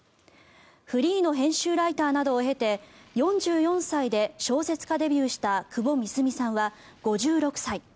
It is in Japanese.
フリーの編集ライターなどを経て４４歳で小説家デビューした窪美澄さんは５６歳。